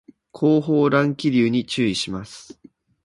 後方乱気流に注意します